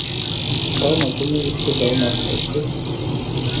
দাও না, তুমিই একটু দাও না আস্তে আস্তে!